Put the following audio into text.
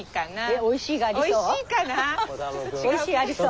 おいしいありそう？